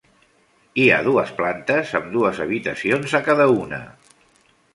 Hi ha dues plantes, amb dues habitacions a cada una.